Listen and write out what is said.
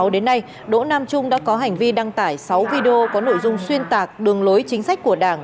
đến nay đỗ nam trung đã có hành vi đăng tải sáu video có nội dung xuyên tạc đường lối chính sách của đảng